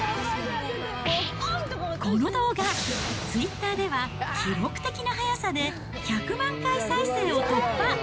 この動画、ツイッターでは記録的な速さで１００万回再生を突破。